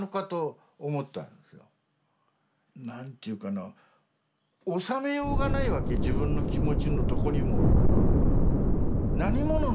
何ていうかなおさめようがないわけ自分の気持ちをどこにも。